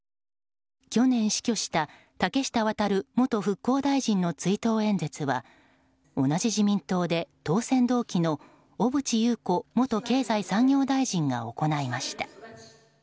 去年、死去した竹下亘元復興大臣の追悼演説は同じ自民党で当選同期の小渕優子元経済産業大臣が行いました。